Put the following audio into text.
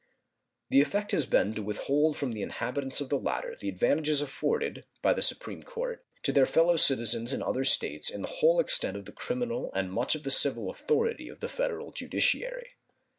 The effect has been to withhold from the inhabitants of the latter the advantages afforded (by the Supreme Court) to their fellow citizens in other States in the whole extent of the criminal and much of the civil authority of the Federal judiciary.